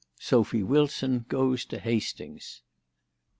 SOPHY WILSON GOES TO HASTINGS.